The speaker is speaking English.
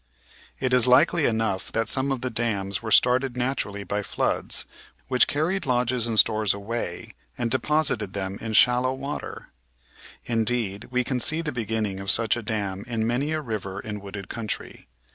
It is likely enough that some of the dams were started naturally by floods which car ried lodges and stores away and deposited them in shallow water; indeed, we can see the beginning of such a dam in many a river in wooded country.